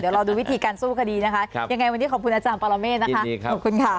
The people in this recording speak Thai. เดี๋ยวรอดูวิธีการสู้คดีนะคะยังไงวันนี้ขอบคุณอาจารย์ปรเมฆนะคะขอบคุณค่ะ